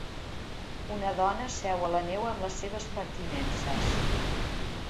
Una dona seu a la neu amb les seves pertinences.